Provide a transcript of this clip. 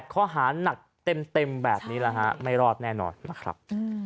ข้อหานักเต็มแบบนี้แหละฮะไม่รอดแน่นอนนะครับ